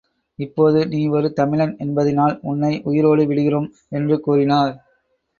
இப்போது நீ ஒரு தமிழன் என்பதினால் உன்னை உயிரோடு விடுகிறோம் என்று கூறினார்.